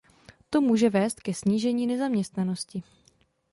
To může vést k snížení nezaměstnanosti.